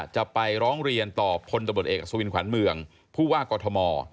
จะไปร้องเรียนต่อพลตำรวจเอกอสวินขวัญเมืองผู้ว่ากอทม